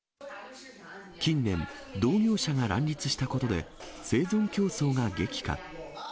近年、同業者が乱立したことで、生存競争が激化。